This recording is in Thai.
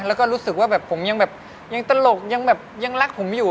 แล้วก็รู้สึกว่าผมยังตลกยังรักผมอยู่